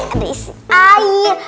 ada isi air